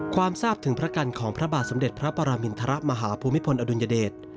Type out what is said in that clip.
ทราบถึงพระกันของพระบาทสมเด็จพระปรมินทรมาฮภูมิพลอดุลยเดช